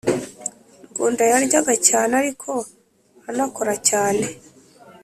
ngunda yaryaga cyane ariko anakora cyane